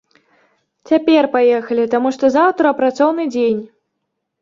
Цяпер паехалі, таму што заўтра працоўны дзень.